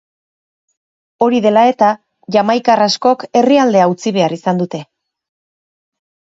Hori dela eta, jamaikar askok herrialdea utzi behar izan dute.